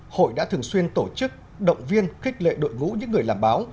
hội đã thường xuyên tổ chức động viên khích lệ đội ngũ những người làm báo